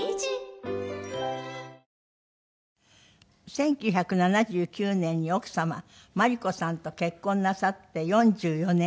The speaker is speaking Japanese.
１９７９年に奥様まり子さんと結婚なさって４４年。